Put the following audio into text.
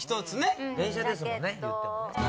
電車ですもんね言ってもね。